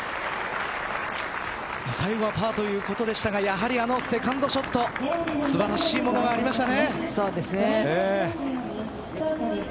最後はパーということでしたがあのセカンドショット素晴らしいものがありました。